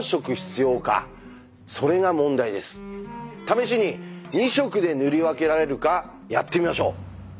試しに２色で塗り分けられるかやってみましょう。